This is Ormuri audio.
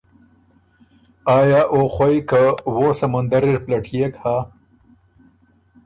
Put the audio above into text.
آیا او خوئ که وو سمندر اِر پلټيېک هۀ